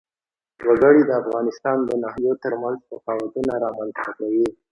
وګړي د افغانستان د ناحیو ترمنځ تفاوتونه رامنځ ته کوي.